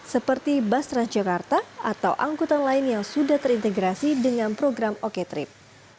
seperti basras jakarta atau angkutan lain yang sudah terintegrasi dengan program oktrip